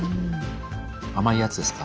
甘いやつですか？